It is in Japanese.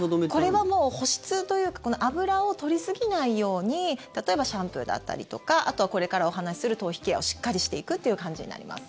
これはもう保湿というか脂を取りすぎないように例えばシャンプーだったりとかあとはこれからお話する頭皮ケアをしっかりしていくっていう感じになります。